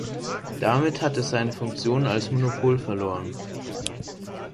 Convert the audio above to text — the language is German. Damit hat es seine Funktion als Monopol verloren.